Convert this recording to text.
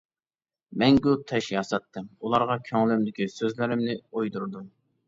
مەڭگۈ تاش ياساتتىم، ئۇلارغا كۆڭلۈمدىكى سۆزلىرىمنى ئويدۇردۇم.